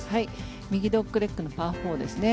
右ドッグレッグのパー４ですね。